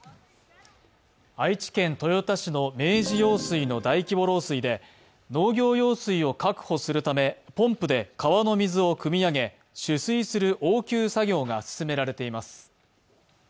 愛知県豊田市の明治用水の大規模漏水で農業用水を確保するため、ポンプで川の水をくみ上げ、取水する応急作業が進められています。